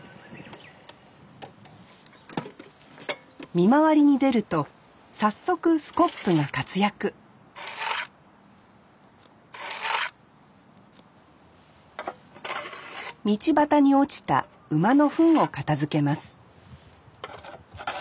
見回りに出ると早速スコップが活躍道端に落ちた馬のふんを片づけます